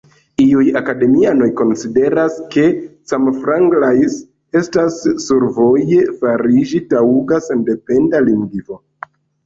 Iuj akademianoj konsideras ke "Camfranglais" estas survoje fariĝi taŭga sendependa lingvo.